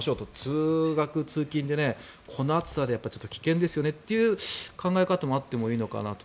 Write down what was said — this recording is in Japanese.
通学・通勤でこの暑さで危険ですよねという考え方もあってもいいのかなと。